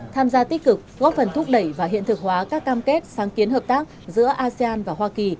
tham gia tích cực góp phần thúc đẩy và hiện thực hóa các cam kết sáng kiến hợp tác giữa asean và hoa kỳ